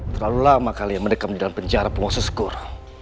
terlalu lama kalian mendekam di dalam penjara penguasa skur